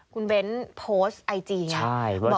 คุณเบ้น์โพสต์ไอจีนะบอกว่าหาปืนใช่